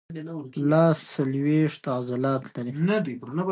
لاس څلورویشت عضلات لري.